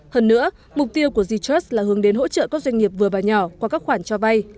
hơn nữa mục tiêu của j trust là hướng đến hỗ trợ các doanh nghiệp vừa và nhỏ qua các khoản cho vay